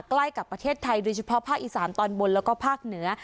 ใกล้กับประเทศไทยโดยเฉพาะภาคอีสานตอนบนแล้วก็ภาคเหนือ